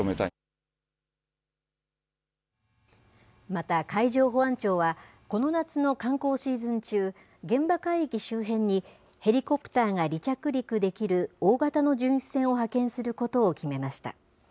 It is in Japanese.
また海上保安庁は、この夏の観光シーズン中、現場海域周辺にヘリコプターが離着陸できる大型の巡視船を派遣することを決めました。